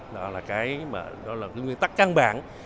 đó là cái nguyên tắc căn bản